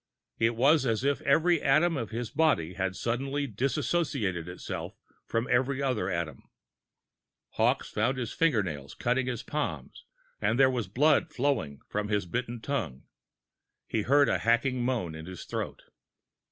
It was as if every atom of his body had suddenly disassociated itself from every other atom. Hawkes found his fingernails cutting his palms, and there was blood flowing from his bitten tongue. He heard a hacking moan in his throat.